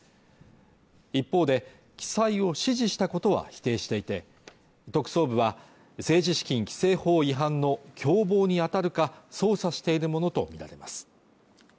一方で記載を指示したことは否定していて特捜部は政治資金規正法違反の共謀に当たるか捜査しているものと見られます